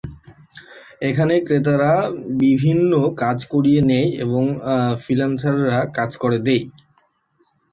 এখানে ক্রেতারা বিভিন্ন কাজ করিয়ে নেয় এবং ফ্রিল্যান্সাররা কাজ করে দেয়।